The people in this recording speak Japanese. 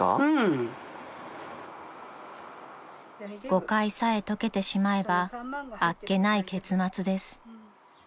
［誤解さえ解けてしまえばあっけない結末です］